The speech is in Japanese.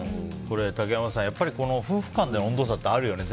竹山さん、夫婦間での温度差ってあるよね。